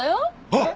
えっ？